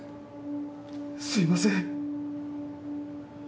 すいません。